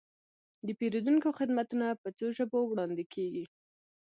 د پیرودونکو خدمتونه په څو ژبو وړاندې کیږي.